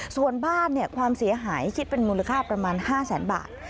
ส่วนบ้านความเสียหายคิดเป็นมูลค่าประมาณ๕แสนบาท